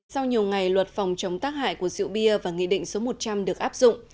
sau nhiều ngày luật phòng chống tác hại của rượu bia và nghị định số một trăm linh được áp dụng